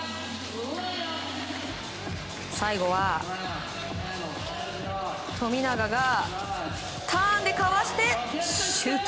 最後は、富永がターンでかわしてシュート。